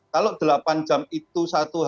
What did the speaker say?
kalau delapan jam itu